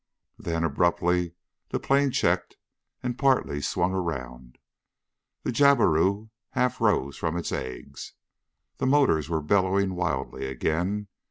Then, abruptly, the plane checked and partly swung around. The jabiru half rose from its eggs. The motors were bellowing wildly again.